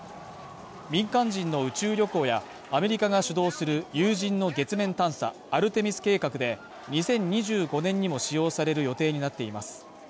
民間人の宇宙旅行やアメリカが主導する有人の月面探査アルテミス計画で、２０２５年にも使用される予定になっています。